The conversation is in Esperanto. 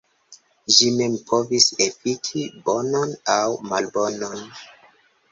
Ĝi mem povis efiki bonon aŭ malbonon.